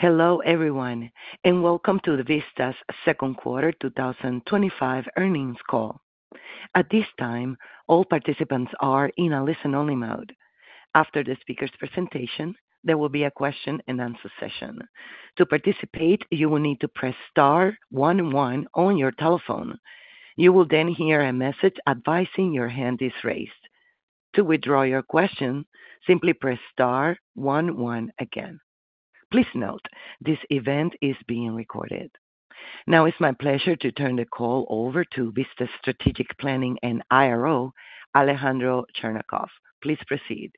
Hello, everyone, and welcome to the Vista's Second Quarter twenty twenty five Earnings Call. At this time, all participants are in a listen only mode. After the speakers' presentation, there will be a question and answer session. You will then hear a message advising your hand is raised. To withdraw your question, simply press 11 again. Please note, this event is being recorded. Now it's my pleasure to turn the call over to strategic planning and IRO, Alejandro Chernikov. Please proceed.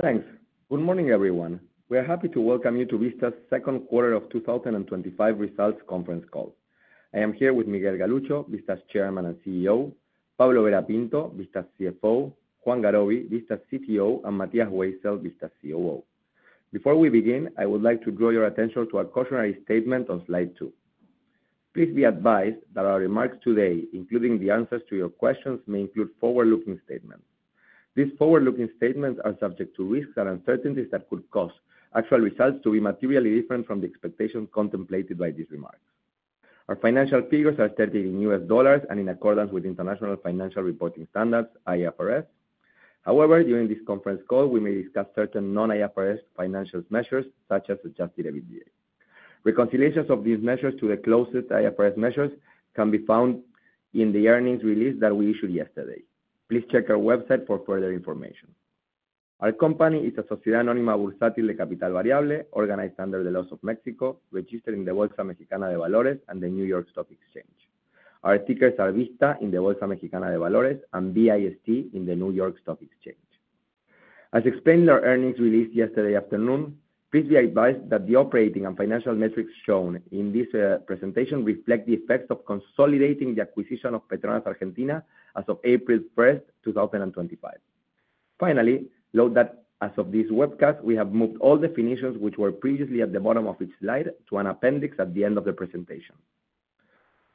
Thanks. Good morning, everyone. We are happy to welcome you to Vista's second quarter of twenty twenty five results conference call. I am here with Miguel Gallucho, Vista's Chairman and CEO Pablo Vera Pinto, Vista's CFO Juan Garobi, Vista's CTO and Matija Huaesel, Vista's COO. Before we begin, I would like to draw your attention to our cautionary statement on slide two. Please be advised that our remarks today, including the answers to your questions, may include forward looking statements. These forward looking statements are subject to risks and uncertainties that could cause actual results to be materially different from the expectations contemplated by these remarks. Our financial figures are stated in U. S. Dollars and in accordance with International Financial Reporting Standards, IFRS. However, during this conference call, we may discuss certain non IFRS financial measures such as adjusted EBITDA. Reconciliations of these measures to the closest IFRS measures can be found in the earnings release that we issued yesterday. Please check our website for further information. Our company is Asosiranonima Bursatile Capital Variables, organized under the laws of Mexico, registered in the Vuelta Mexicana de Valores and the New York Stock Exchange. Our tickers are VISTA in the Vuelta Mexicana de Valores and BIST in the New York Stock Exchange. As explained in our earnings release yesterday afternoon, please be advised that the operating and financial metrics shown in this presentation reflect the effects of consolidating the acquisition of Petronas Argentina as of 04/01/2025. Finally, note that as of this webcast, we have moved all definitions which were previously at the bottom of each slide to an appendix at the end of the presentation.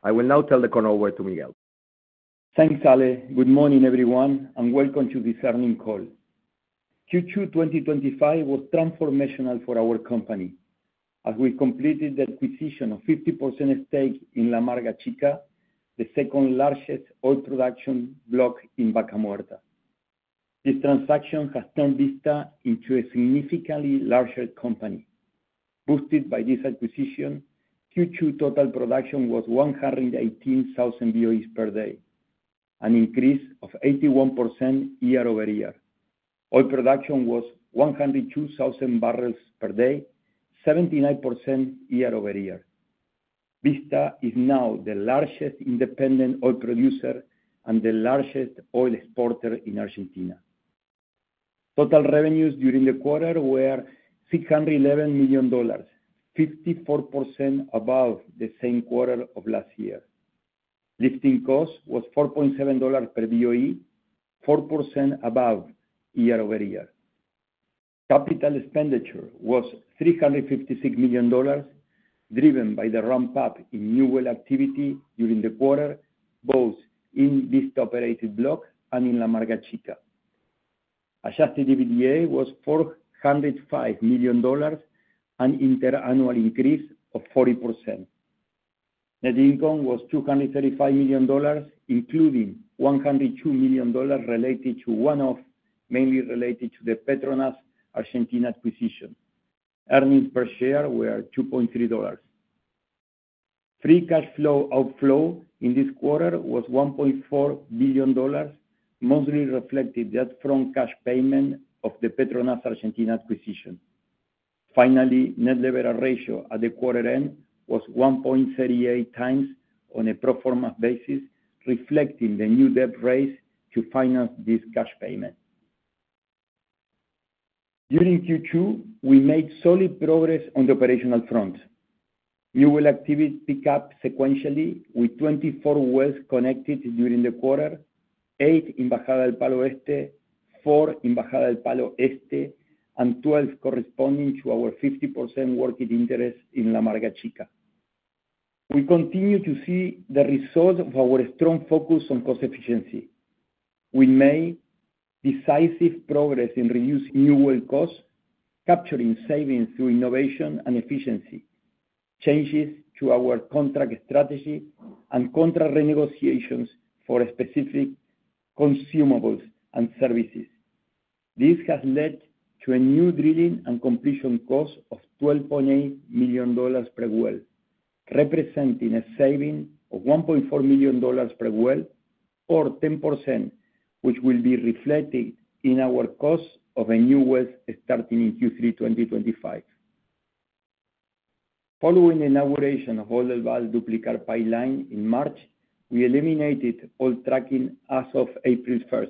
I will now turn the call over to Miguel. Thanks, Ale. Good morning, everyone, and welcome to this earnings call. Q2 twenty twenty five was transformational for our company as we completed the acquisition of 50% stake in La Amarga Chica, the second largest oil production block in Vaca Muerta. This transaction has turned Vista into a significantly larger company. Boosted by this acquisition, Q2 total production was 118,000 BOEs per day, an increase of 81% year over year. Oil production was 102,000 barrels per day, 79% year over year. Vista is now the largest independent oil producer and the largest oil exporter in Argentina. Total revenues during the quarter were $611,000,000 54% above the same quarter of last year. Lifting cost was $4.7 per BOE, 4% above year over year. Capital expenditure was $356,000,000 driven by the ramp up in new well activity during the quarter, both in leased operated block and in La Marghachita. Adjusted EBITDA was $4.00 $5,000,000 an inter annual increase of 40%. Net income was $235,000,000 including $102,000,000 related to one off, mainly related to the Petronas Argentina acquisition. Earnings per share were $2.3 Free cash flow outflow in this quarter was $1,400,000,000 mostly reflected the upfront cash payment of the Petronas Argentina acquisition. Finally, net leverage ratio at the quarter end was 1.38 times on a pro form a basis, reflecting the new debt raise to finance this cash payment. During Q2, we made solid progress on the operational front. New well activity picked up sequentially with 24 wells connected during the quarter, eight in Bajada Del Palo Este, four in Bajada Del Palo Este and 12 corresponding to our 50% working interest in La Amarga Chica. We continue to see the result of our strong focus on cost efficiency. We made decisive progress in reducing new well costs, capturing savings through innovation and efficiency, changes to our contract strategy and contract renegotiations for specific consumables and services. This has led to a new drilling and completion cost of $12,800,000 per well, representing a saving of $1,400,000 per well or 10%, which will be reflected in our cost of a new well starting in Q3 twenty twenty five. Following inauguration of Old El Val Duplicar Pipeline in March, we eliminated all tracking as of April 1.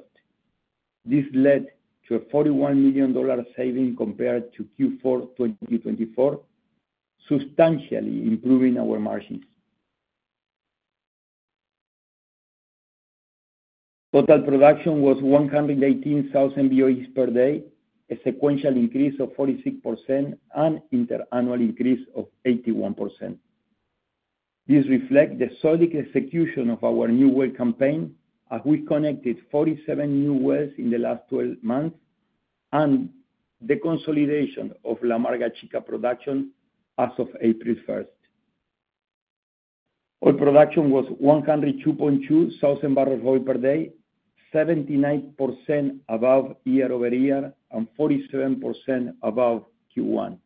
This led to a $41,000,000 saving compared to Q4 twenty twenty four, substantially improving our margins. Total production was 118,000 BOEs per day, a sequential increase of 46% and inter annual increase of 81%. This reflects the solid execution of our new well campaign as we connected 47 new wells in the last twelve months and the consolidation of La Amarga Chica production as of April 1. Oil production was 102,200 barrels of oil per day, 79 above year over year and 47% above Q1.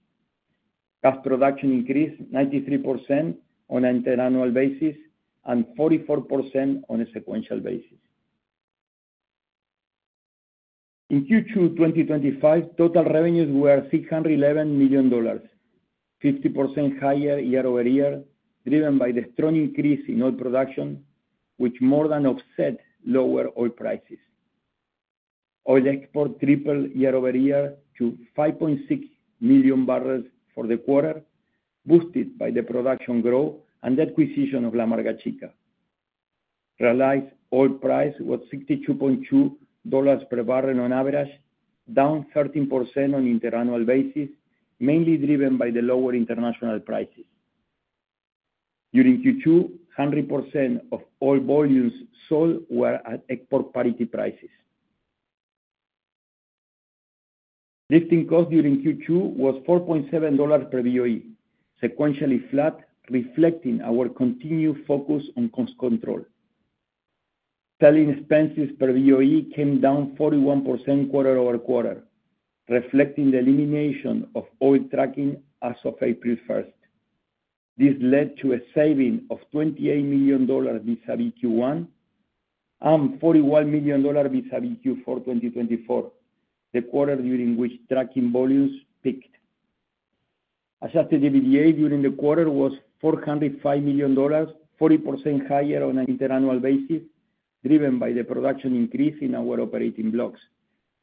Cash production increased 93% on an interannual basis and 44% on a sequential basis. In Q2 twenty twenty five, total revenues were $611,000,000 50% higher year over year, driven by the strong increase in oil production, which more than offset lower oil prices. Oil export tripled year over year to 5,600,000 barrels for the quarter, boosted by the production growth and acquisition of La Marga Chica. Realized oil price was $62.2 per barrel on average, down 13% on interannual basis, mainly driven by the lower international prices. During Q2, 100% of oil volumes sold were at export parity prices. Lifting cost during Q2 was $4.7 per BOE, sequentially flat, reflecting our continued focus on cost control. Selling expenses per BOE came down 41% quarter over quarter, reflecting the elimination of oil tracking as of April 1. This led to a saving of $28,000,000 vis a vis Q1 and $41,000,000 vis a vis Q4 twenty twenty four, the quarter during which tracking volumes peaked. Adjusted EBITDA during the quarter was $4.00 $5,000,000 40% higher on an interannual basis, driven by the production increase in our operating blocks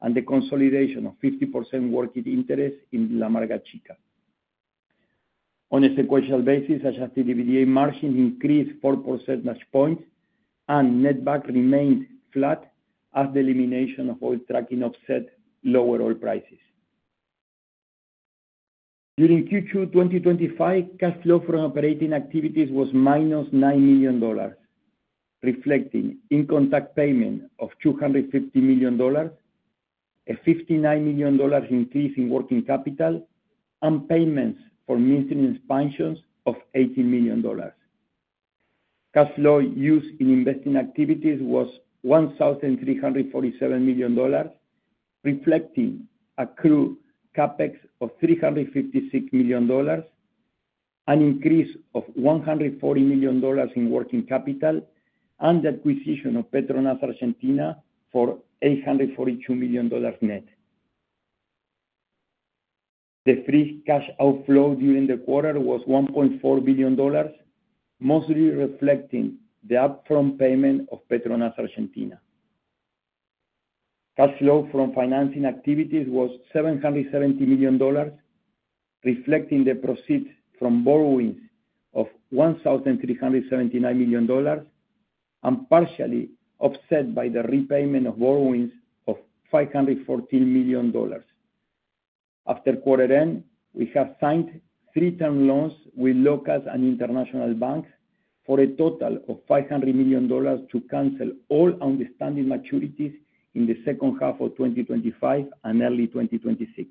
and the consolidation of 50% working interest in La Amarga Chica. On a sequential basis, adjusted EBITDA margin increased four percentage points and netback remained flat as the elimination of oil tracking offset lower oil prices. During Q2 twenty twenty five, cash flow from operating activities was minus $9,000,000 reflecting income tax payment of $250,000,000 a $59,000,000 increase in working capital and payments for maintenance expansions of $80,000,000 Cash flow used in investing activities was $1,347,000,000 dollars reflecting accrued CapEx of $356,000,000 an increase of $140,000,000 in working capital and the acquisition of Petronas Argentina for $842,000,000 net. The free cash outflow during the quarter was $1,400,000,000 mostly reflecting the upfront payment of Petronas Argentina. Cash flow from financing activities was $770,000,000 reflecting the proceeds from borrowings of $1,379,000,000 dollars and partially offset by the repayment of borrowings of $514,000,000 After quarter end, we have signed three term loans with Locust and International Bank for a total of $500,000,000 to cancel all outstanding maturities in the second half of twenty twenty five and early twenty twenty six.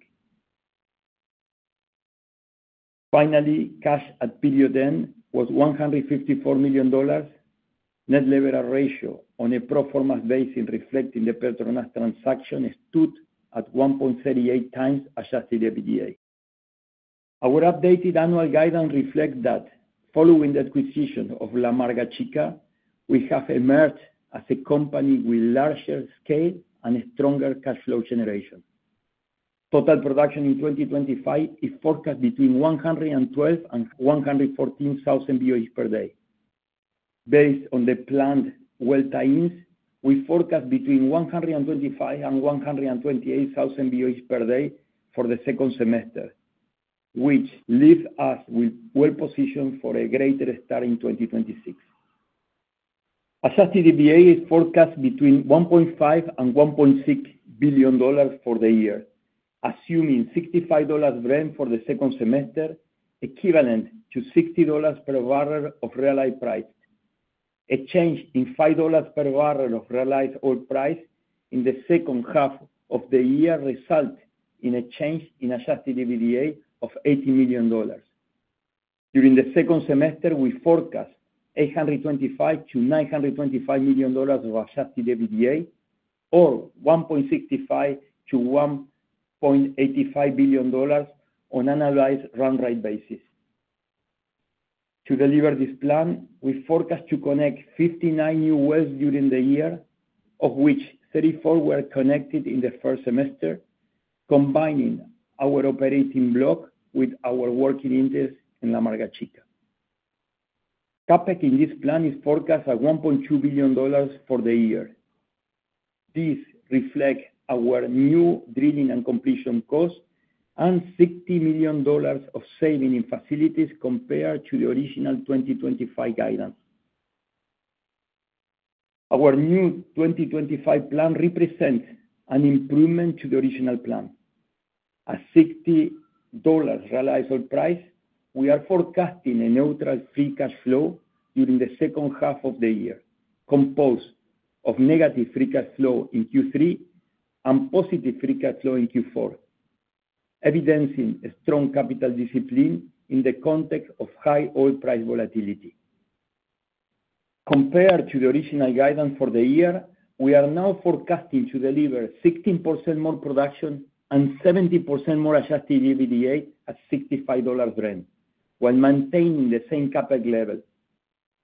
Finally, cash at period end was $154,000,000 Net leverage ratio on a pro form a basis reflecting the Pertronas transaction stood at 1.38 times adjusted EBITDA. Our updated annual guidance reflects that following the acquisition of La Marghachica, we have emerged as a company with larger scale and stronger cash flow generation. Total production in 2025 is forecast between 226,000 BOEs per day. Based on the planned well timings, we forecast between 253,000 BOEs per day for the second semester, which leaves us well positioned for a greater start in 2026. Adjusted EBITDA is forecast between 1,500,000,000.0 and $1,600,000,000 for the year, assuming $65 Brent for the second semester, equivalent to $60 per barrel of realized price. A change in $5 per barrel of realized oil price in the second half of the year result in a change in adjusted EBITDA of $80,000,000 During the second semester, we forecast eight twenty five million to $925,000,000 of adjusted EBITDA or $1,650,000,000 to $1,850,000,000 on an annualized run rate basis. To deliver this plan, we forecast to connect 59 U. S. During the year, of which 34 were connected in the first semester, combining our operating block with our working interest in La Amarga Chica. CapEx in this plan is forecast at $1,200,000,000 for the year. This reflects our new drilling and completion costs and $60,000,000 of saving in facilities compared to the original 2025 guidance. Our new 2025 plan represents an improvement to the original plan. At $60 realized oil price, we are forecasting a neutral free cash flow during the second half of the year composed of negative free cash flow in Q3 and positive free cash flow in Q4, evidencing a strong capital discipline in the context of high oil price volatility. Compared to the original guidance for the year, we are now forecasting to deliver 16% more production and 70% more adjusted EBITDA at $65 Brent, while maintaining the same CapEx level.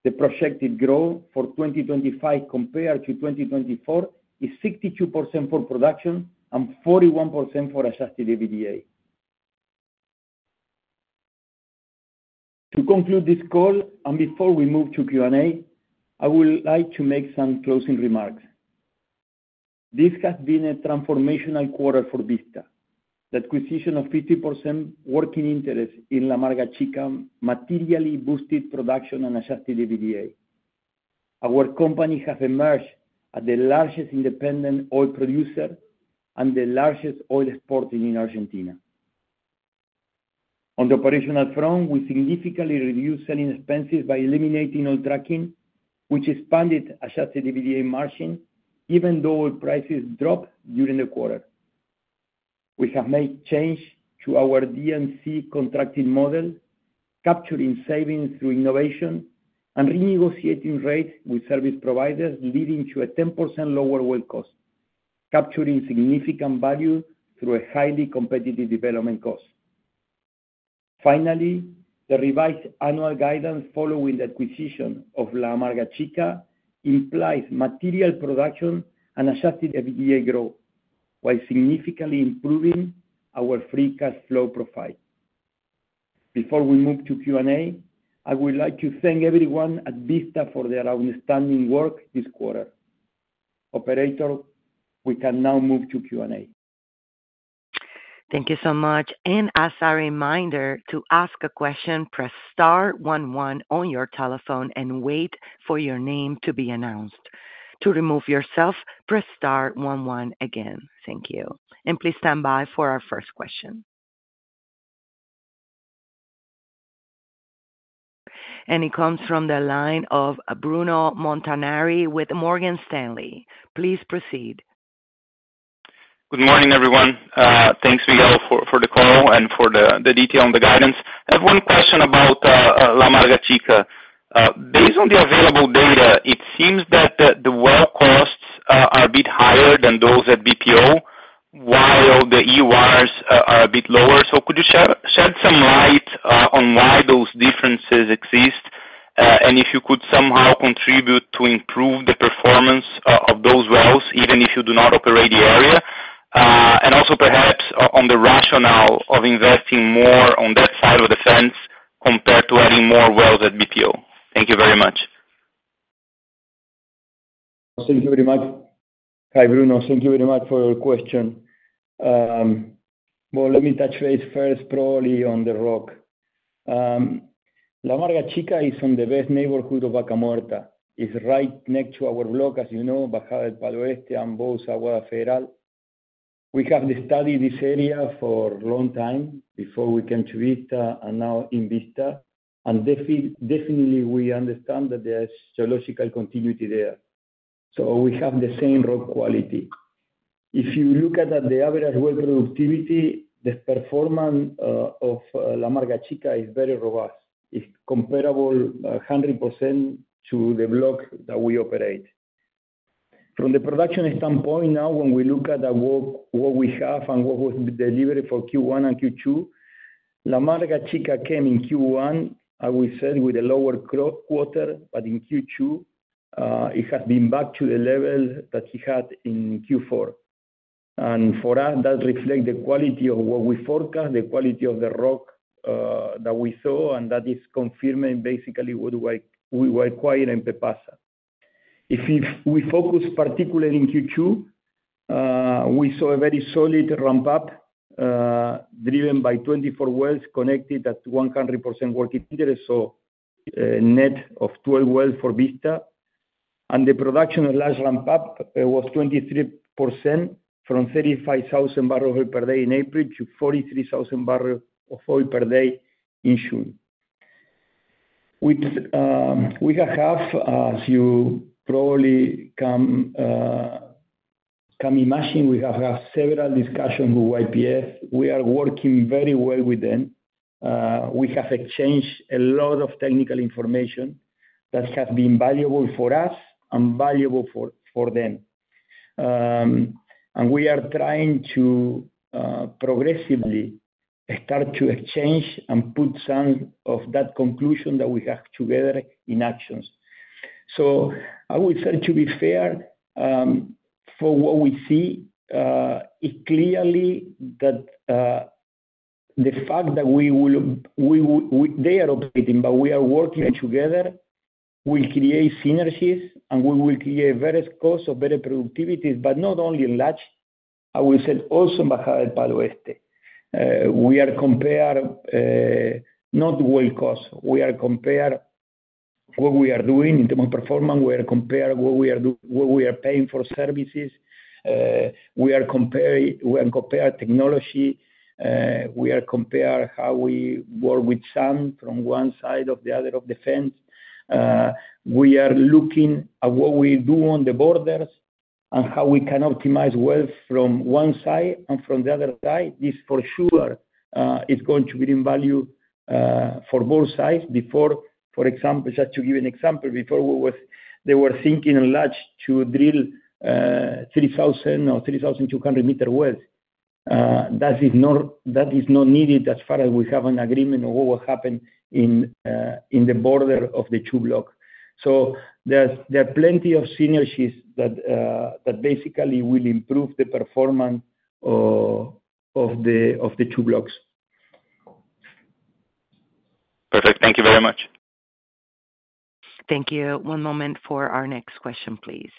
The projected growth for 2025 compared to 2024 is 62% for production and 41% for adjusted EBITDA. To conclude this call and before we move to Q and A, I would like to make some closing remarks. This has been a transformational quarter for Vista. The acquisition of 50% working interest in La Amarga Chica materially boosted production and adjusted EBITDA. Our company has emerged as the largest independent oil producer and the largest oil exporting in Argentina. On the operational front, we significantly reduced selling expenses by eliminating on tracking, which expanded adjusted EBITDA margin even though oil prices dropped during the quarter. We have made change to our D and C contracting model, capturing savings through innovation and renegotiating rates with service providers leading to a 10% lower well cost, capturing significant value through a highly competitive development cost. Finally, the revised annual guidance following the acquisition of La Amarga Chica implies material production and adjusted EBITDA growth, while significantly improving our free cash flow profile. Before we move to Q and A, I would like to thank everyone at Vista for their outstanding work this quarter. Operator, we can now move to Q Thank you. And it comes from the line of Bruno Montanari with Morgan Stanley. Please proceed. Good morning, everyone. Thanks, Miguel, for the call and for the detail on the guidance. I have one question about La Malaga Chica. Based on the available data, it seems that the well costs are a bit higher than those at BPO, while the EURs are a bit lower. So could you shed some light on why those differences exist? And if you could somehow contribute to improve the performance of those wells even if you do not operate the area? And also perhaps on the rationale of investing more on that side of the fence compared to adding more wells at BPO? Thank you very much. Bruno. Thank you very much for your question. Well, let me touch base first probably on the rock. La Maracachica is from the best neighborhood of Vaca Muerta. It's right next to our block, as you know, Baja Del Palo Eti and both Agua Feral. We have studied this area for a long time before we came to Vita and now in Vista. And definitely, we understand that there's geological continuity there. So we have the same rock quality. If you look at the average weather activity, the performance of La Amarga Chica is very robust. It's comparable 100% to the block that we operate. From the production standpoint, now when we look at what we have and what was delivered for Q1 and Q2, La Malaga Chica came in Q1, I will say, with a lower quarter. But in Q2, it has been back to the level that we had in Q4. And for us, that reflects the quality of what we forecast, the quality of the rock that we saw, and that is confirming basically what we acquired in Pepasa. If we focus particularly in Q2, we saw a very solid ramp up, driven by 24 wells connected at 100% working meters, so net of 12 wells for Vista. And the production of large ramp up was 23% from 35,000 barrel oil per day in April to 43,000 barrel of oil per day issued. We have, as you probably imagine, we have had several discussions with YPF. We are working very well with them. We have exchanged a lot of technical information that has been valuable for us and valuable for them. And we are trying to progressively start to exchange and put some of that conclusion that we have together in actions. So I would say to be fair, for what we see, it clearly that the fact that we will they are operating, but we are working together, we'll create synergies, and we will create various cost of better productivity, but not only large, I will say also we are compare not the world cost. We are compare what we are doing in the performance, are compare what we are paying for services. We are comparing technology. We are compare how we work with some from one side of the other of defense. We are looking at what we do on the borders and how we can optimize wealth from one side and from the other side. This for sure is going to be in value for both sides. For example, just to give an example, before they were thinking a large to drill 3,000 or 3,200 meter wells. That is not needed as far as we have an agreement of what will happen in the border of the two block. So there are plenty of synergies that basically will improve the performance of the two blocks. Perfect. Thank you very much. Thank you. One moment for our next question, please.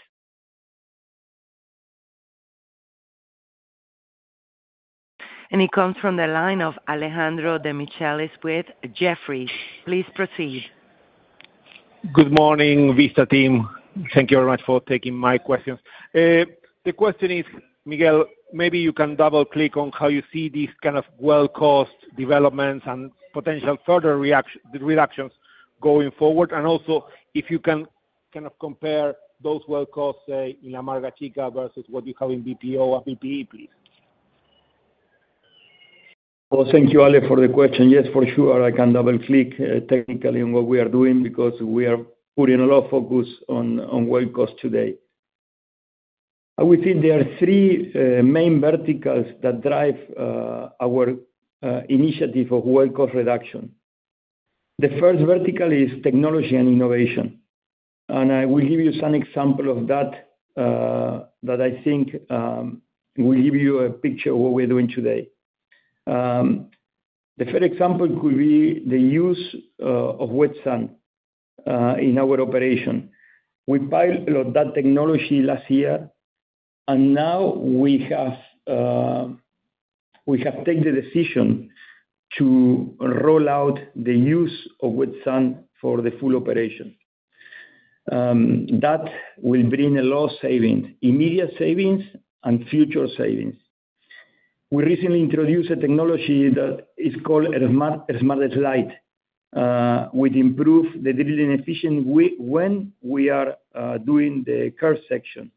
And it comes from the line of Alejandro DeMichelis with Jefferies. Please proceed. Good morning, Vista team. Thank you very much for taking my questions. The question is, Miguel, maybe you can double click on how you see these kind of well cost developments and potential further reductions going forward. And also, if you can kind of compare those well costs, say, in Amarga Chica versus what you have in BPO or PPE, please? Well, thank you, Ale, for the question. Yes, for sure, I can double click technically on what we are doing because we are putting a lot of focus on well cost today. I would say there are three main verticals that drive our initiative of well cost reduction. The first vertical is technology and innovation. And I will give you some example of that, that I think will give you a picture of what we're doing today. The third example could be the use of wet sand in our operation. We pilot that technology last year, and now we have taken the decision to roll out the use of wet sand for the full operation. That will bring a lot of savings, immediate savings and future savings. We recently introduced a technology that is called Smartest Light, which improve the drilling efficient when we are doing the curve section,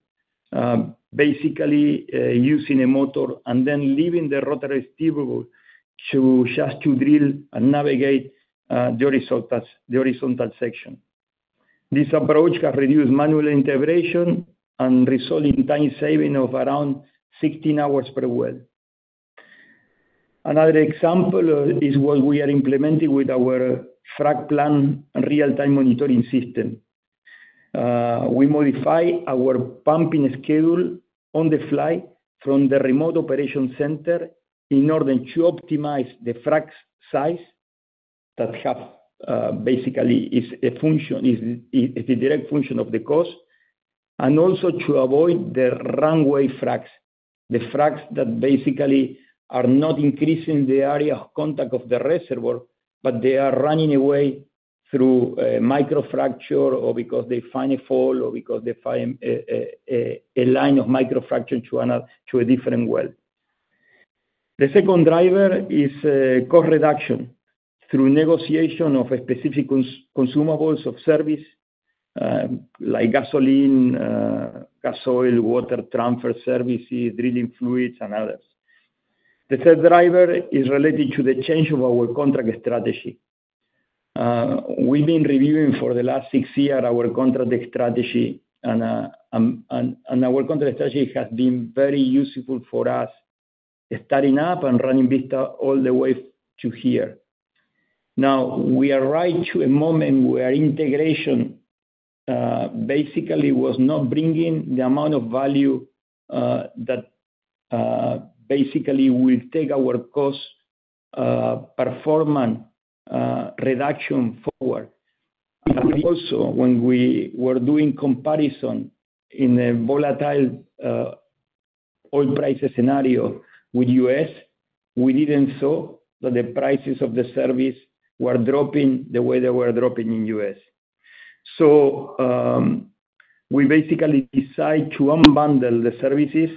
basically using a motor and then leaving the rotor receivable just to drill and navigate the horizontal section. This approach have reduced manual integration and resulting time saving of around sixteen hours per well. Another example is what we are implementing with our frac plan and real time monitoring system. We modify our pumping schedule on the fly from the remote operation center in order to optimize the frac size that basically is a function, is a direct function of the cost. And also to avoid the runway fracs, The fracs that basically are not increasing the area of contact of the reservoir, but they are running away through microfracture or because they find a fall or because they find a line of microfracture to a different well. The second driver is cost reduction through negotiation of a specific consumables of service, like gasoline, gasoil, water transfer services, drilling fluids and others. The third driver is related to the change of our contract strategy. We've been reviewing for the last six year our contract strategy and our contract strategy has been very useful for us starting up and running Vista all the way to here. Now we are right to a moment where integration basically was not bringing the amount of value that basically will take our cost performance reduction forward. Also when we were doing comparison in a volatile oil prices scenario with U. S, we didn't saw that the prices of the service were dropping the way they were dropping in U. S. So we basically decide to unbundle the services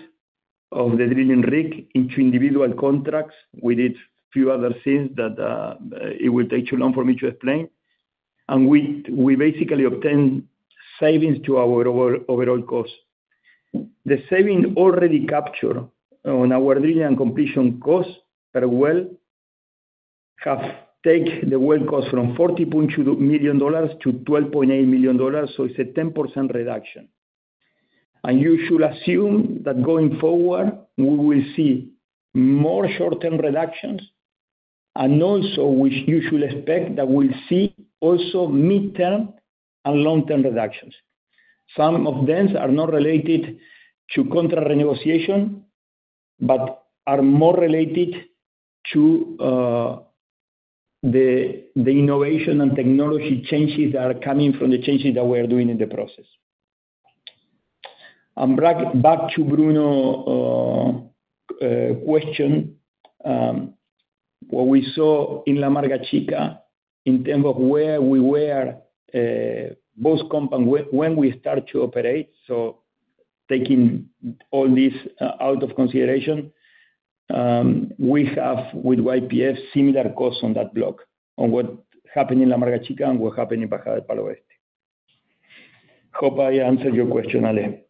of the drilling rig into individual contracts. We did few other things that it would take too long for me to explain. And we basically obtain savings to our overall cost. The saving already capture on our drilling and completion costs that are well have take the well cost from $40,200,000 to $12,800,000 So it's a 10% reduction. And you should assume that going forward, we will see more short term reductions and also, which you should expect that we'll see also midterm and long term reductions. Some of them are not related to contract renegotiation, but are more related to the innovation and technology changes that are coming from the changes that we are doing in the process. And back to Bruno question, what we saw in La Amarga Chica in terms of where we were both compound when we start to operate, so taking all these out of consideration, we have with YPF similar costs on that block on what happened in La Amarga Chica and what happened in Bajada Del Palo Alto. Hope I answered your question, Alain.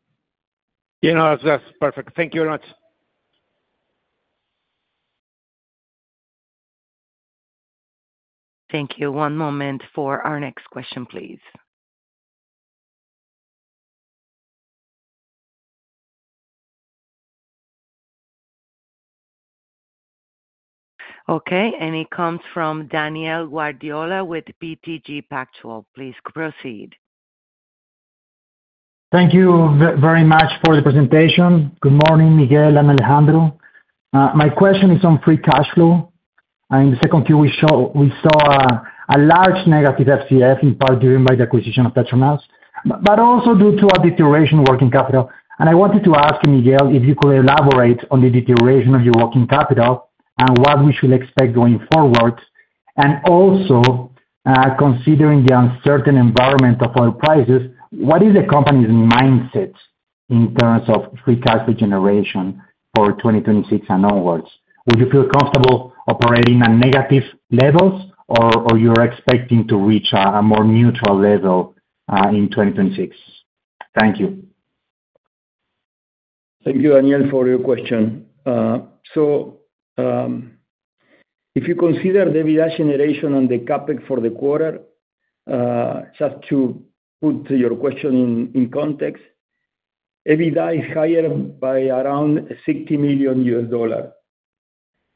Yes, that's perfect. Thank you very much. Thank you. One moment for our next question, please. Okay. And it comes from Daniel Guardiola with BTG Pactual. Please proceed. Thank you very much for the presentation. Good morning, Miguel and Alejandro. My question is on free cash flow. In the second Q, we saw a large negative FCF in part driven by the acquisition of Tetramas, but also due to a deterioration of working capital. And I wanted to ask Miguel, if you could elaborate on the deterioration of your working capital and what we should expect going forward. And also considering the uncertain environment of oil prices, what is the company's mindset in terms of free cash flow generation for 2026 and onwards? Would you feel comfortable operating at negative levels or you're expecting to reach a more neutral level in 2026? Thank you. Thank you, Daniel, for your question. So if you consider the EBITDA generation on the CapEx for the quarter, just to put your question in context, EBITDA is higher by around 60,000,000 US dollars.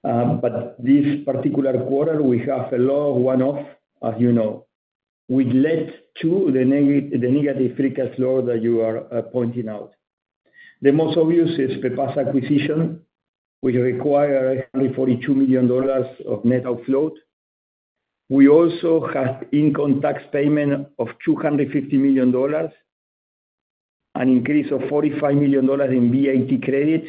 But this particular quarter, we have a low one off, as you know, which led to the negative free cash flow that you are pointing out. The most obvious is the Pepas acquisition, which require $142,000,000 of net outflows. We also have income tax payment of $250,000,000 an increase of $45,000,000 in VAT credit,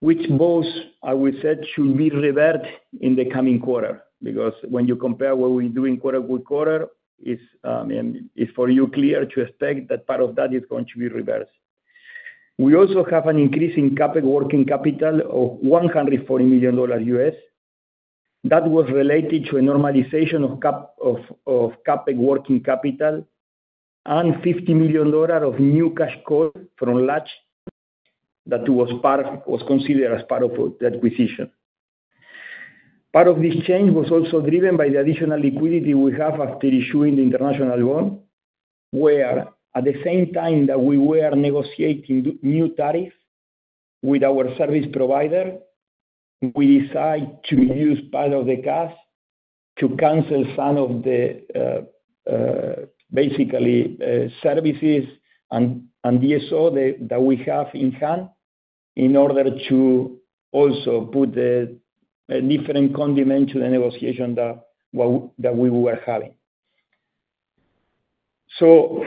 which both, I would say, should be revert in the coming quarter because when you compare what we're doing quarter over quarter, it's for you clear to expect that part of that is going to be reversed. We also have an increase in CapEx working capital of US140 million dollars That was related to a normalization CapEx working capital and $50,000,000 of new cash cost from Latch that was part of was considered as part of the acquisition. Part of this change was also driven by the additional liquidity we have after issuing the international loan, where at the same time that we were negotiating new tariffs with our service provider, we decide to use part of the cash to cancel some of the basically services and DSO that we have in hand in order to also put a different condiment to the negotiation that we were having. So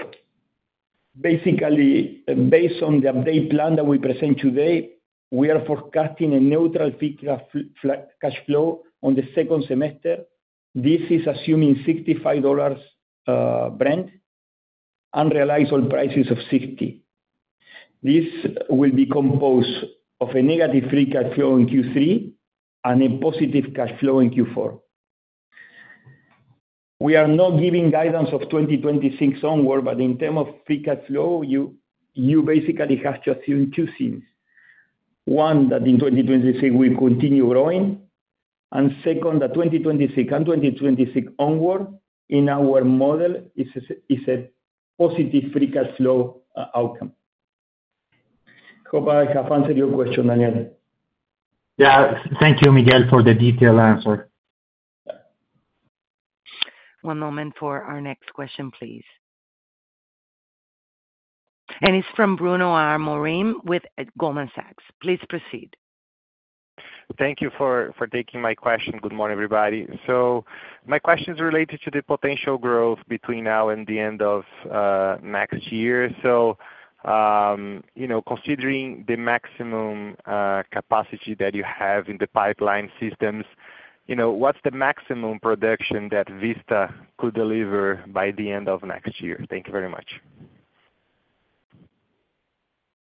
basically, based on the update plan that we present today, we are forecasting a neutral free cash flow on the second semester. This is assuming $65 Brent, unrealized oil prices of 60 This will be composed of a negative free cash flow in Q3 and a positive cash flow in Q4. We are not giving guidance of 2026 onward, but in term of free cash flow, you basically have just seen two things. One, that in 2026, we continue growing. And second, the 2026 and 2026 onward in our model positive is free cash flow outcome. Hope I have answered your question, Daniel. Yes. Thank you, Miguel, for the detailed answer. One moment for our next question, please. And it's from Bruno R. Morim with Goldman Sachs. Please proceed. Thank you for taking my question. Good morning, everybody. So, question is related to the potential growth between now and the end of next year. So considering the maximum capacity that you have in the pipeline systems, what's the maximum production that Vista could deliver by the end of next year? Thank you very much.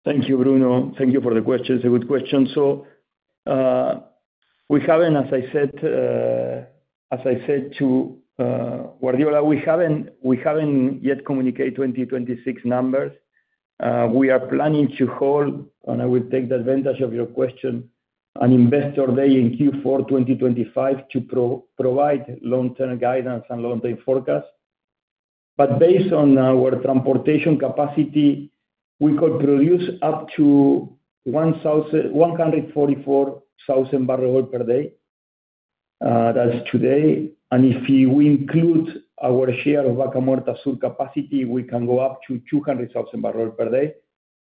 Thank you, Bruno. Thank you for the question. It's a good question. So we haven't, as I said to Guardiola, we haven't yet communicated twenty twenty six numbers. We are planning to hold, and I would take advantage of your question, an Investor Day in Q4 twenty twenty five to provide long term guidance and long term forecast. But based on our transportation capacity, we could produce up to 144,000 barrels per day. That's today. And if we include our share of Vaca Muerta Sur capacity, we can go up to 200,000 barrels per day.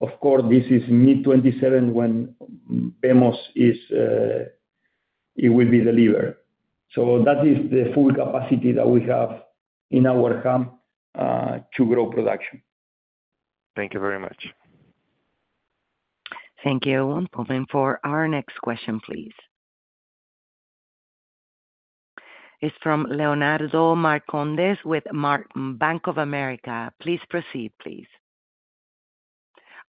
Of course, this is mid-twenty seven when PEMOS is it will be delivered. So that is the full capacity that we have in our camp to grow production. Thank you very much. Thank you. I'm moving for our next question, please. It's from Leonardo Marcondes with Bank of America. Please proceed please.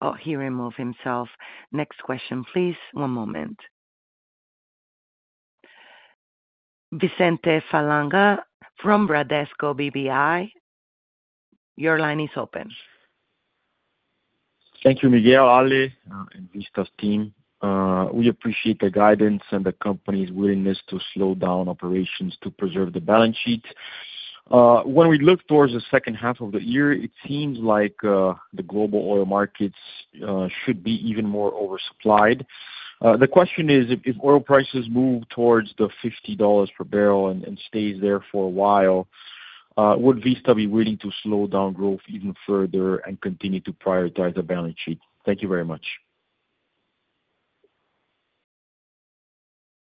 Oh, he removed himself. Next question please. One moment. Vicente Falanga from Bradesco BBI. Your line is open. Thank you, Miguel, Ale and Vista's team. We appreciate the guidance and the company's willingness to slow down operations to preserve the balance sheet. When we look towards the second half of the year, it seems like the global oil markets should be even more oversupplied. The question is, if oil prices move towards the $50 per barrel and stays there for a while, would Vista be willing to slow down growth even further and continue to prioritize the balance sheet? Thank you very much.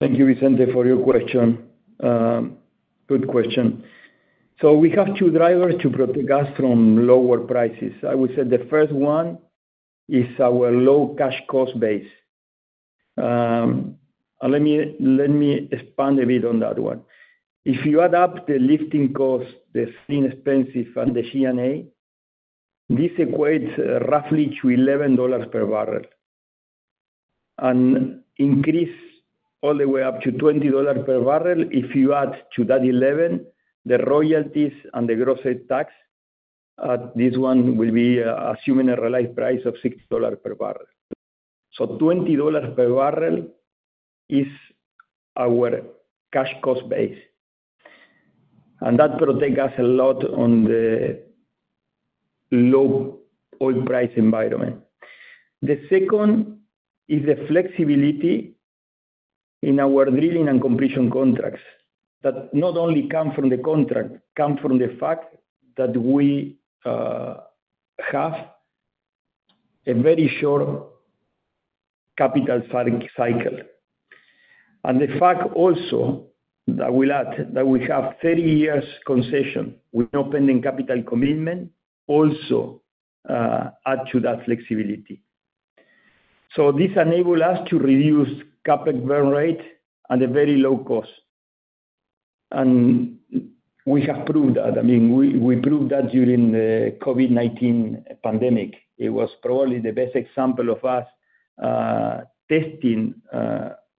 Thank you, Vicente, for your question. Good question. So we have two drivers to protect us from lower prices. I would say the first one is our low cash cost base. Let me expand a bit on that one. If you add up the lifting cost, the steel expensive and the G and A, this equates roughly to $11 per barrel. And increase all the way up to $20 per barrel, if you add to that $11 the royalties and the gross rate tax, this one will be assuming a realized price of $6 per barrel. So $20 per barrel is our cash cost base. And that protect us a lot on the low oil price environment. The second is the flexibility in our drilling and completion contracts that not only come from the contract, come from the fact that we have a very short capital cycle. And the fact also that we'll add that we have thirty years concession with no pending capital commitment also add to that flexibility. So this enable us to reduce CapEx burn rate at a very low cost. And we have proved that. I mean, we proved that during the COVID-nineteen pandemic. It was probably the best example of us testing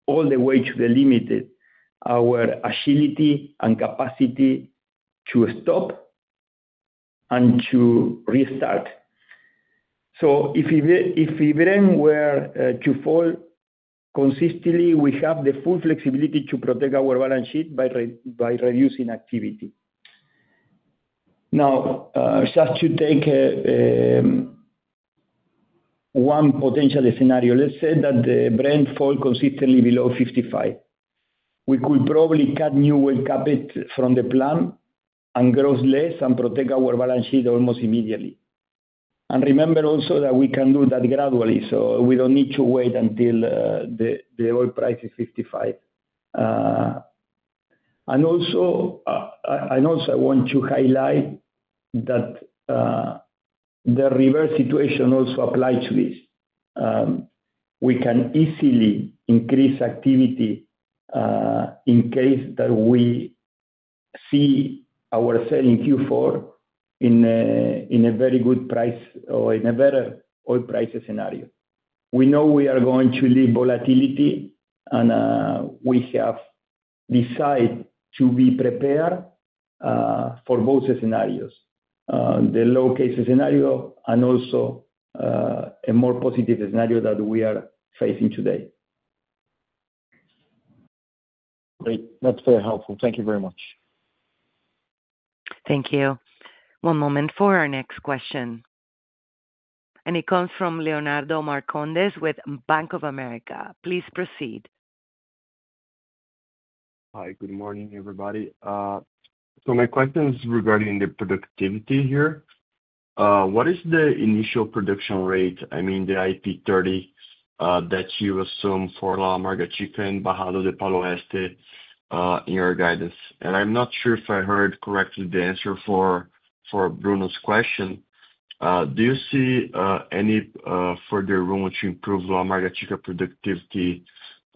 all the way to the limited our agility and capacity to stop and to restart. So if even were to fall consistently, we have the full flexibility to protect our balance sheet by reducing activity. Now just to take one potential scenario, let's say that the Brent fall consistently below 55%. We could probably cut new world CapEx from the plan and grow less and protect our balance sheet almost immediately. And remember also that we can do that gradually, so we don't need to wait until the oil price is 55. And also want to highlight that the reverse situation also applies to this. We can easily increase activity in case that we see our sale in Q4 in a very good price or in a better oil prices scenario. We know we are going to leave volatility and we have decided to be prepared for both scenarios, the low case scenario and also a more positive scenario that we are facing today. Great. That's very helpful. Thank you very much. Thank you. One moment for our next question. And it comes from Leonardo Marcones with Bank of America. Please proceed. Hi, good morning everybody. So my question is regarding the productivity here. What is the initial production rate, I mean the IP30 that you assume for La Amarga Chica and Bahado de Palo Este in your guidance? And I'm not sure if I heard correctly the answer for Bruno's question. Do you see any further room to improve raw market share productivity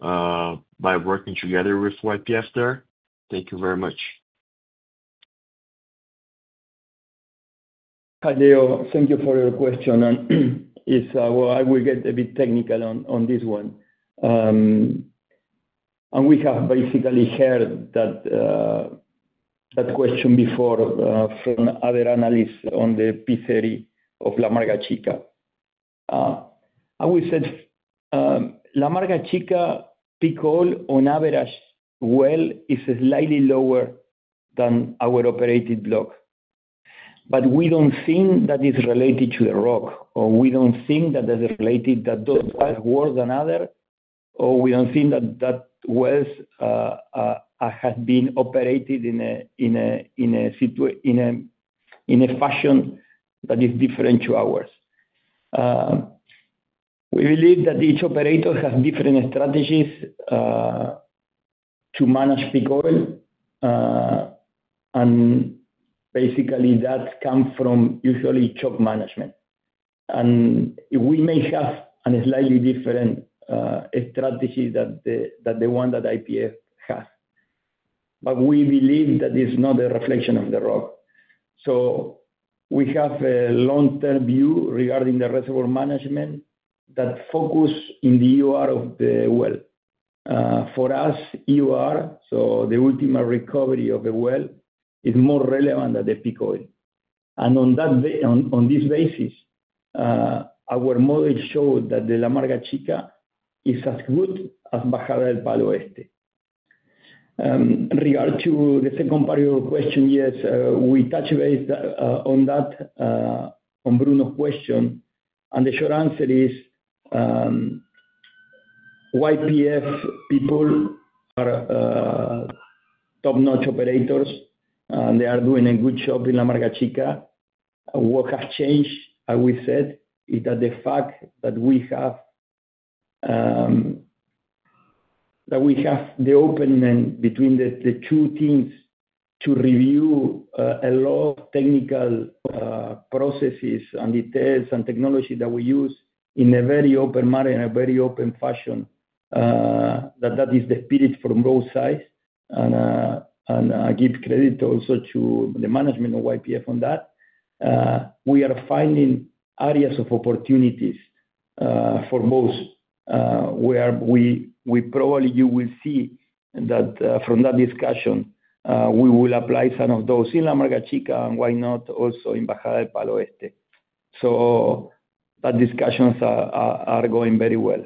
by working together with YPF there? Thank you very much. Hi, Leo. Thank you for your question. And it's well, I will get a bit technical on this one. And we have basically heard that question before from other analysts on the P30 of La Marghachica. We said La Marghachica peak oil on average well is slightly lower than our operated block. But we don't think that it's related to the rock, or we don't think that it's related that those are worse than others, or we don't think that that was had been operated in a fashion that is different to ours. We believe that each operator has different strategies to manage peak oil. And basically, that comes from usually chop management. And we may have a slightly different strategy than the one that IPF has. But we believe that it's not a reflection of the rock. So we have a long term view regarding the reservoir management that focus in the EUR of the well. For us EOR, so the ultimate recovery of the well is more relevant than the Picoid. And on this basis, our model showed that the La Marca Chica is as good as Bajada Del Palo Este. In regard to the second part of your question, yes, we touched base on that on Bruno's question. And the short answer is YPF people are top notch operators. They are doing a good job in La Amarga Chica. What has changed, as we said, is that the fact that we have the open between the two teams to review a lot of technical processes and details and technology that we use in a very open manner, in a very open fashion, that is the spirit from both sides. And I give credit also to the management of YPF on that. We are finding areas of opportunities for most where probably you will see that from that discussion, we will apply some of those in La Amarga Chica and why not also in Bajada del Palo Este. So our discussions are going very well.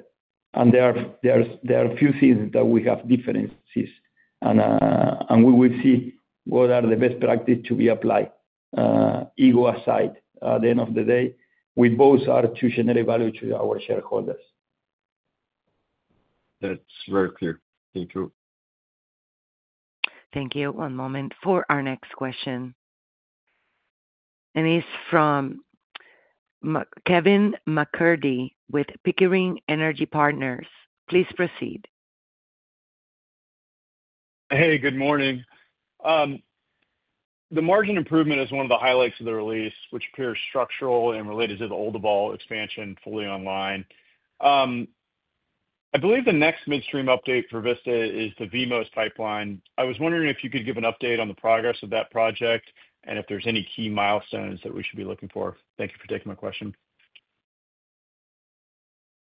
And there are a few things that we have differences. And we will see what are the best practice to be applied, ego aside, at the end of the day, we both are to generate value to our shareholders. That's very clear. Thank you. Thank you. One moment for our next question. And it's from Kevin McCurdy with Pickering Energy Partners. Please proceed. Hey, good morning. The margin improvement is one of the highlights of the release, which appears structural and related to the Olduvall expansion fully online. I believe the next midstream update for Vista is the VMOS pipeline. I was wondering if you could give an update on the progress of that project and if there's any key milestones that we should be looking for. Thank you for taking my question.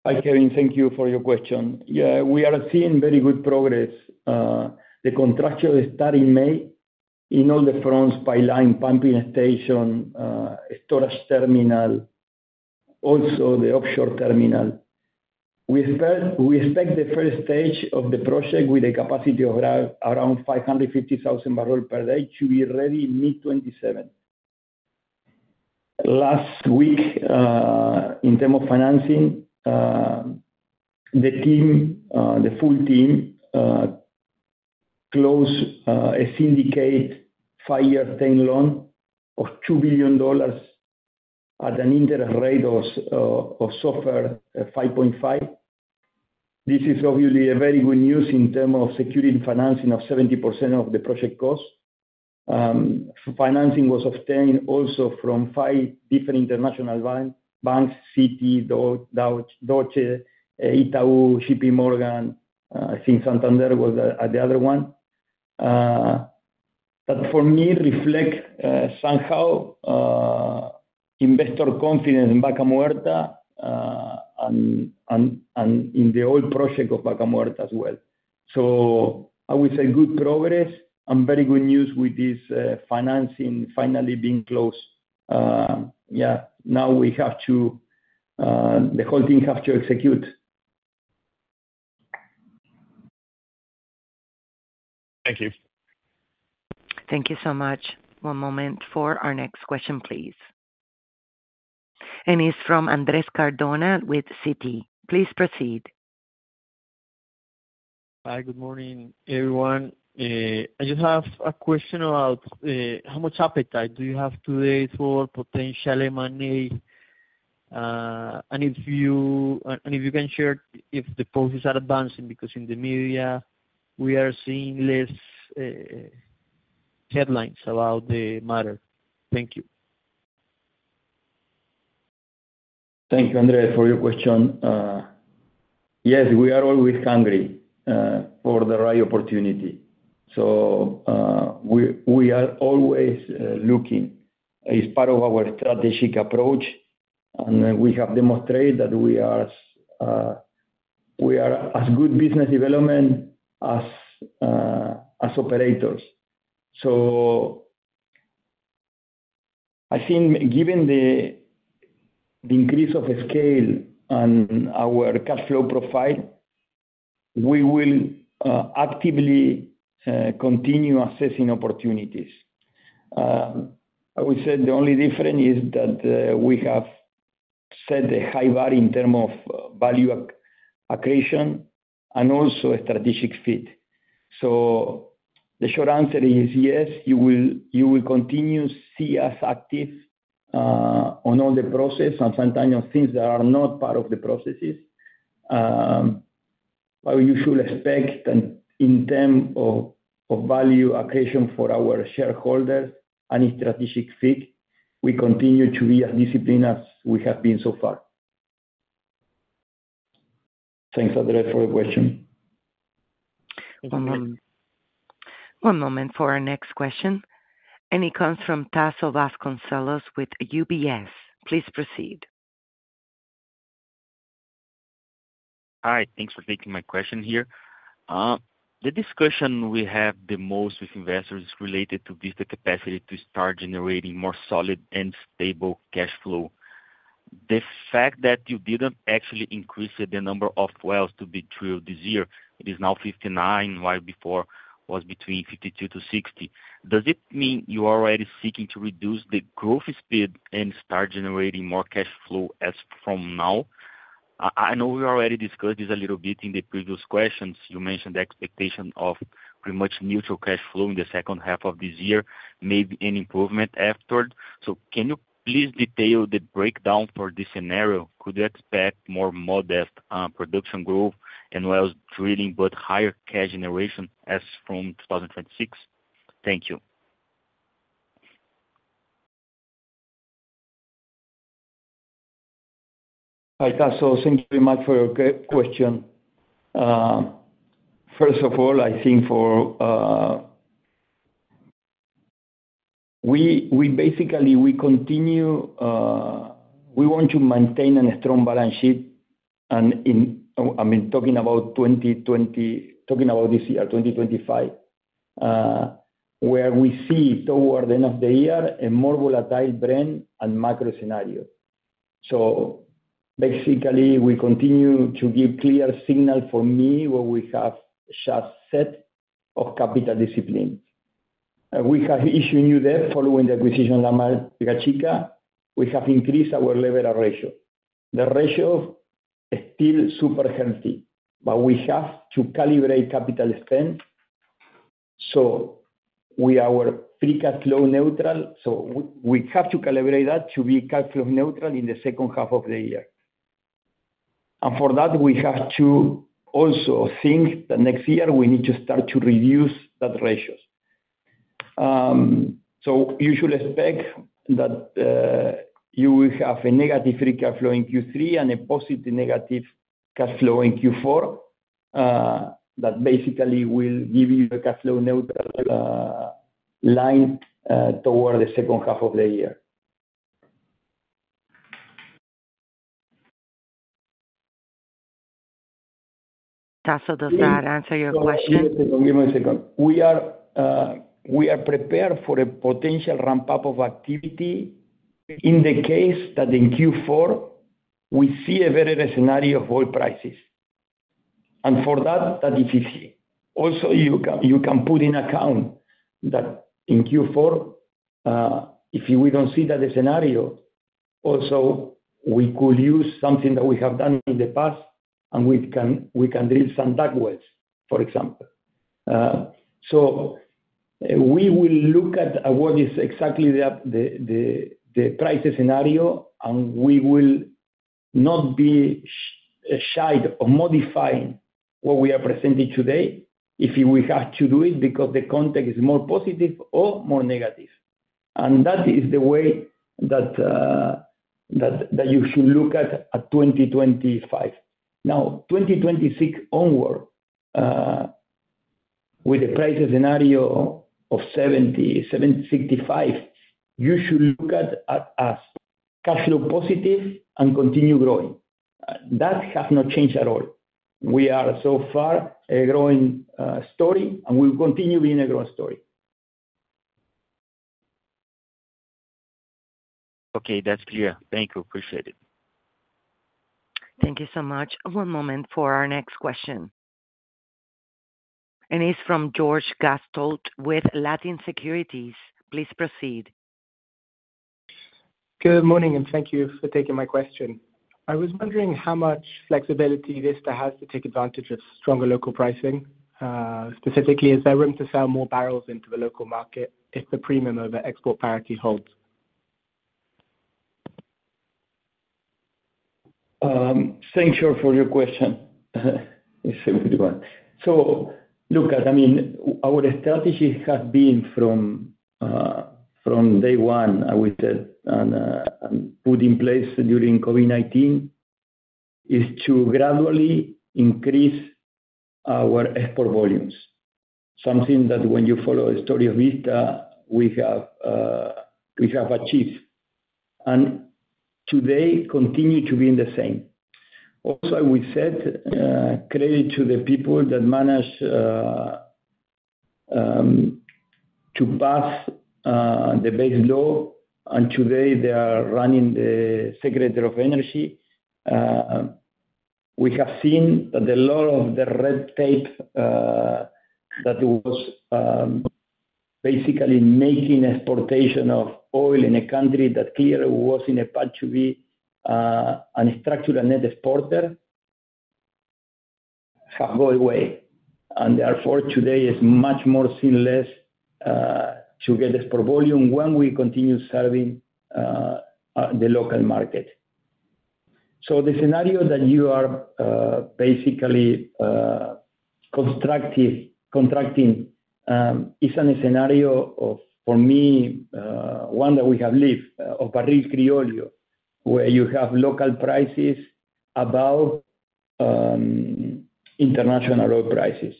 Hi, Kevin. Thank you for your question. Yes, we are seeing very good progress. The contractual start in May in all the fronts by line pumping station, storage terminal, also the offshore terminal. We expect the first stage of the project with a capacity of around 550,000 barrel per day should be ready mid-twenty seven. Last week, in term of financing, the team, the full team closed a syndicate five year term loan of $2,000,000,000 at an interest rate of software 5.5. This is obviously a very good news in terms of securing financing of 70% of the project costs. Financing was obtained also from five different international banks, Citi, Deutsche, Itau, JPMorgan, I think Santander was the other one. But for me, it reflects somehow investor confidence in Vaca Muerta and in the old project of Vaca Muerta as well. So I would say good progress and very good news with this financing finally being closed. Yeah, now we have to the whole team have to execute. Thank you. Thank you so much. One moment for our next question, please. And it's from Andres Cardona with Citi. Please proceed. Hi. Good morning, everyone. I just have a question about, how much appetite do you have today for potential M and A? And if you and if you can share if the policies are advancing because in the media, we are seeing less headlines about the matter. Thank you. Thanks, Andre, for your question. Yes, we are always hungry for the right opportunity. So we are always looking as part of our strategic approach, and we have demonstrated that we are as good business development as operators. So I think given the increase of scale and our cash flow profile, we will actively continue assessing opportunities. I would say the only difference is that we have set a high value in term of value accretion and also a strategic fit. So the short answer is yes. You will continue to see us active on all the process and sometimes things that are not part of the processes. But you should expect that in term of value accretion for our shareholders and strategic fit, we continue to be as disciplined as we have been so far. Thanks, Andre, for your question. One moment for our next question. And it comes from Taso Vasconcelos with UBS. Please proceed. Hi. Thanks for taking my question here. The discussion we have the most with investors related to this capacity to start generating more solid and stable cash flow. The fact that you didn't actually increase the number of wells to be drilled this year, it is now 59, while before was between 52 to 60. Does it mean you're already seeking to reduce the growth speed and start generating more cash flow as from now? I know we already discussed this a little bit in the previous questions. You mentioned the expectation of pretty much neutral cash flow in the second half of this year, maybe an improvement afterward. So can you please detail the breakdown for this scenario? Could you expect more modest production growth and wells drilling but higher cash generation as from 2026? Thank you. Hi, Tassos. Thank you very much for your question. First of all, I think for we basically, we continue we want to maintain a strong balance sheet. And in I mean, talking about 2020 talking about this year, 2025, where we see toward the end of the year a more volatile brand and macro scenario. So basically, we continue to give clear signal for me where we have just set of capital discipline. We have issued new debt following the acquisition of Lama de Gachica. We have increased our level of ratio. The ratio is still super healthy, but we have to calibrate capital spend. So we are free cash flow neutral. So we have to calibrate that to be cash flow neutral in the second half of the year. And for that, we have to also think that next year, we need to start to reduce that ratios. So you should expect that you will have a negative free cash flow in Q3 and a positive negative cash flow in Q4 that basically will give you the cash flow line toward the second half of the year. Tassos, does that answer your Give me a second. We are prepared for a potential ramp up of activity in the case that in Q4, we see a better scenario of oil prices. And for that, that is easy. Also you can put in account that in Q4, if we don't see that scenario, also we could use something that we have done in the past and we can drill some dug wells, for example. So we will look at what is exactly the price scenario and we will not be shy of modifying what we are presenting today if we have to do it because the context is more positive or more negative. And that is the way that you should look at 2025. Now 2026 onward, with the price scenario of $70.07 $65 you should look at us cash flow positive and continue growing. That has not changed at all. We are so far a growing story and we'll continue being a growth story. Okay, that's clear. Thank you. Appreciate it. Thank you so much. One moment for our next question. And it's from George Gastaut with Latin Securities. Please proceed. Good morning, and thank you for taking my question. I was wondering how much flexibility Vista has to take advantage of stronger local pricing. Specifically, is there room to sell more barrels into the local market if the premium over export parity holds? Thanks, Jorge, for your question. So look, I mean, our strategy has been from day one with put in place during COVID-nineteen is to gradually increase our export volumes. Something that when you follow the story of it, we have achieved. And today, continue to be the same. Also, I would say credit to the people that manage to pass the base law. And today, they are running the Secretary of Energy. We have seen that a lot of the red tape that was basically making exportation of oil in a country that clearly was in a part to be an structural net exporter have gone away. And therefore today is much more seamless to get this per volume when we continue serving the local market. So the scenario that you are basically contracting is a scenario for me, one that we have lived, Paris Criollo, where you have local prices above international oil prices.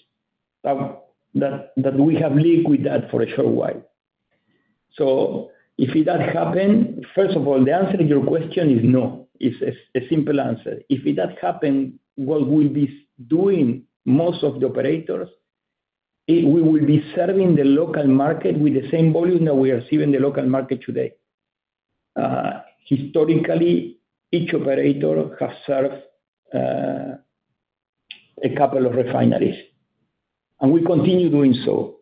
That we have liquid that for a short while. So if it does happen, first of all, the answer to your question is no. It's a simple answer. If it does happen, what we'll be doing most of the operators, we will be serving the local market with the same volume that we are seeing in the local market today. Historically, each operator has served a couple of refineries. And we continue doing so.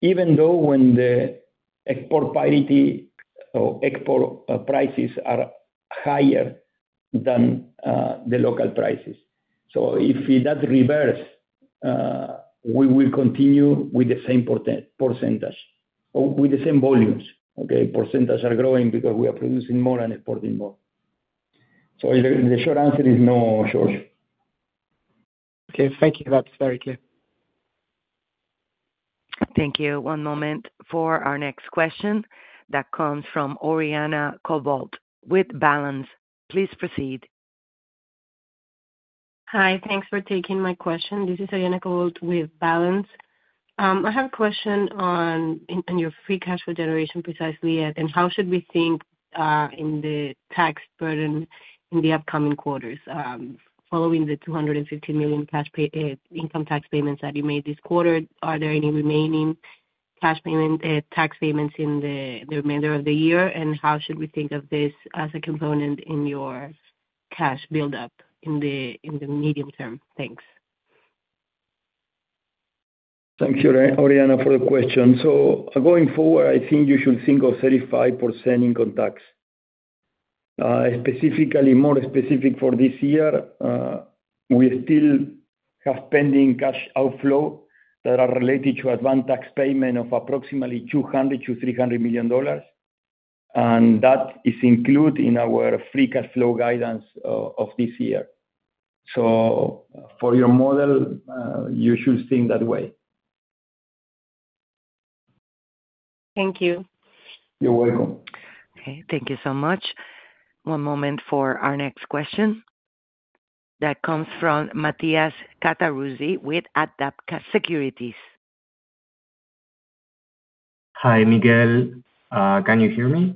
Even though when the export parity or export prices are higher than the local prices. So if that reverse, we will continue with the same percentage or with the same volumes, okay? Percentage are growing because we are producing more and exporting more. So the short answer is no, Jorge. Okay. Thank you. That's very clear. Thank you. One moment for our next question that comes from Oriana Colbold with Balance. Please proceed. Hi. Thanks for taking my question. This is Oriana Colbold with Balance. I have a question on your free cash flow generation precisely and how should we think in the tax burden in the upcoming quarters following the $250,000,000 income tax payments that you made this quarter, are there any remaining cash payment tax payments in the remainder of the year? And how should we think of this as a component in your cash buildup in the medium term? Thanks, Oriana, for the question. So going forward, I think you should think of 35% income tax. Specifically more specific for this year, we still have pending cash outflow that are related to advanced tax payment of approximately 200,000,000 to $300,000,000 and that is included in our free cash flow guidance of this year. So for your model, you should think that way. Thank you. You're welcome. Okay. Thank you so much. One moment for our next question. That comes from Matthias Cataruzzi with ADDAPCA Securities. Hi, Miguel. Can you hear me?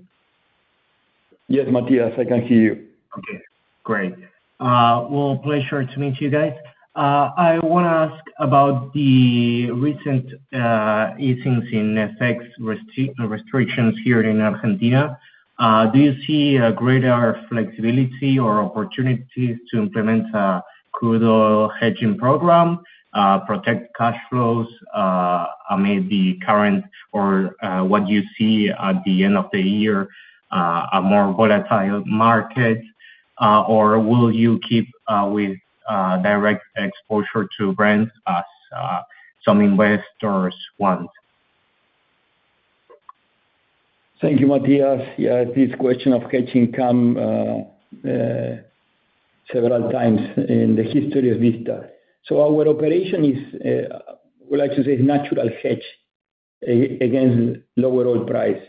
Yes, Matthias. I can hear you. Okay. Great. Well, pleasure to meet you guys. I want to ask about the recent easing in FX restrictions here in Argentina. Do you see a greater flexibility or opportunities to implement crude oil hedging program, protect cash flows, I mean the current or what you see at the end of the year, a more volatile market Or will you keep with direct exposure to brands as some investors want? Thank you, Matias. Yes, this question of hedging come several times in the history of Vista. So our operation is, I like to say, natural hedge against lower oil price.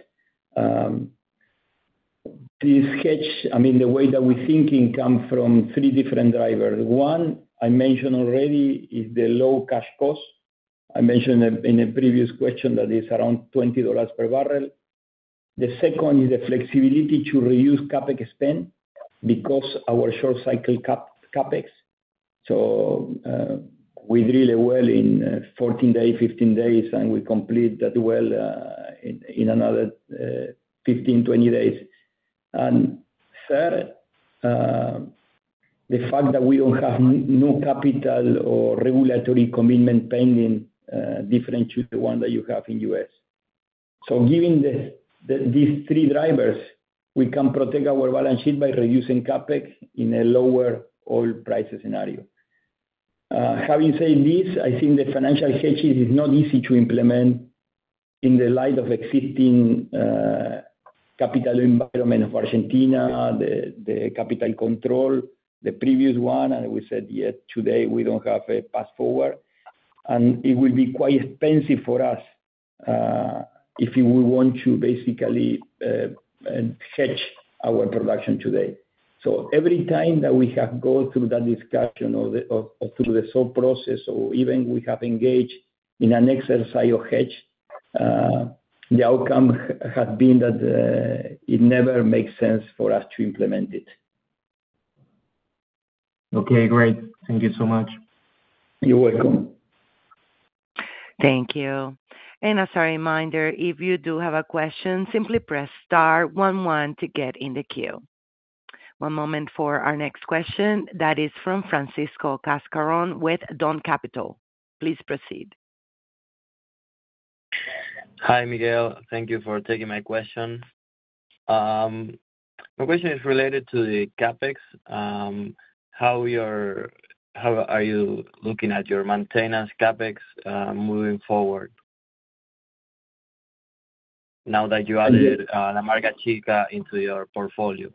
Please sketch, mean, the way that we're thinking come from three different drivers. One, I mentioned already is the low cash cost. I mentioned in a previous question that is around $20 per barrel. The second is the flexibility to reduce CapEx spend because our short cycle CapEx. So we drill a well in fourteen days, fifteen days, and we complete that well in another fifteen, twenty days. And third, the fact that we don't have no capital or regulatory commitment pending differentiate the one that you have in U. S. So given these three drivers, we can protect our balance sheet by reducing CapEx in a lower oil prices scenario. Having said this, I think the financial hedges is not easy to implement in the light of existing capital environment of Argentina, capital control, the previous one. And we said, yes, today, we don't have a path forward. And it will be quite expensive for us if we want to basically hedge our production today. So every time that we have go through that discussion or through the sole process or even we have engaged in an exercise of hedge, the outcome has been that it never makes sense for us to implement it. Okay, great. Thank you so much. You're welcome. Thank you. One moment for our next question. That is from Francisco Cascarron with DON Capital. Please proceed. Hi, Miguel. Thank you for taking my question. My question is related to the CapEx. How are you looking at your maintenance CapEx moving forward now that you added La Amarga Chica into your portfolio?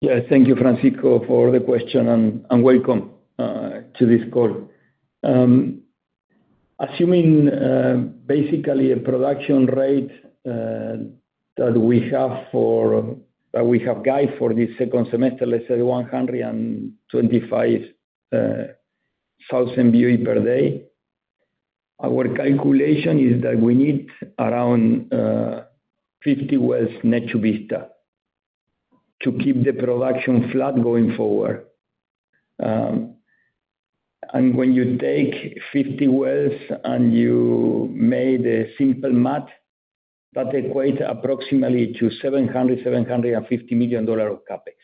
Yes. Thank you, Francisco, for the question, and welcome to this call. Assuming basically a production rate that we have that we have guide for the second semester, let's say 125,000 BOE per day, our calculation is that we need around 50 wells Necho Vista to keep the production flat going forward. And when you take 50 wells and you made a simple math, that equates approximately to $70,000,000,750,000,000 dollars of CapEx.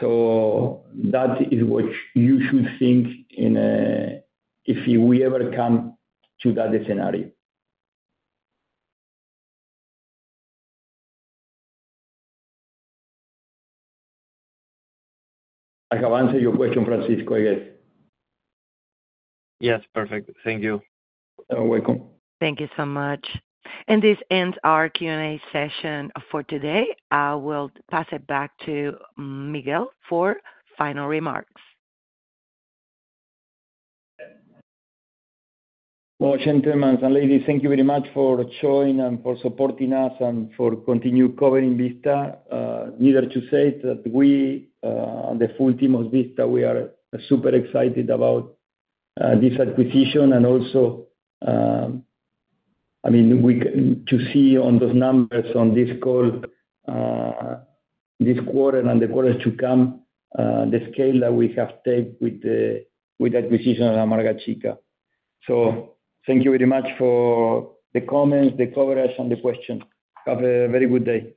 So that is what you should think in a if we ever come to that scenario. I have answered your question, Francisco, I guess. Yes, perfect. Thank you. You're welcome. Thank you so much. And this ends our Q and A session for today. I will pass it back to Miguel for final remarks. Well, gentlemen and ladies, thank you very much for showing and for supporting us and for continue covering Vista. Neither to say that we, the full team of Vista, we are super excited about this acquisition. And also, I mean, we can to see on those numbers on this call this quarter and the quarters to come, the scale that we have take with acquisition of Amarga Chica. So thank you very much for the comments, the coverage and the questions. Have a very good day.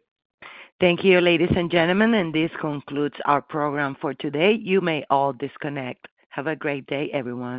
Thank you, ladies and gentlemen, and this concludes our program for today. You may all disconnect. Have a great day everyone.